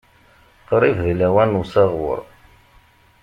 Qrib d lawan n usaɣur